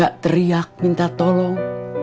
gak teriak minta tolong